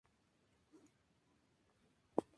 Endospermo plano.